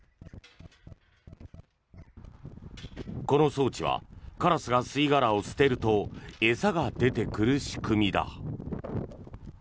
この装置はカラスが吸い殻を捨てると餌が出てくる仕組みだ。